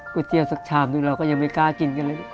เตียสักชามหนึ่งเราก็ยังไม่กล้ากินกันเลย